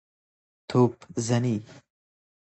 توپ زنی